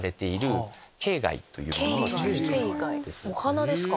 お花ですか？